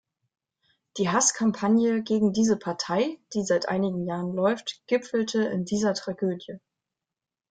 Die Hasskampagne gegen diese Partei, die seit einigen Jahren läuft, gipfelte in dieser Tragödie.